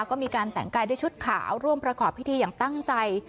ก็มีการแต่งกายด้วยชุดขาวร่วมประกอบพิธีอย่างตั้งใจ